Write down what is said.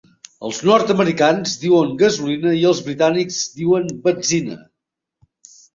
Els nord-americans diuen gasolina i els britànics diuen benzina.